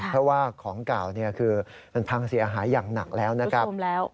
เพราะว่าของเก่าคือมันพังเสียหายอย่างหนักแล้วนะครับ